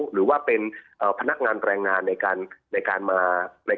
หรือว่าเป็นพนักงานแรงงานในการมา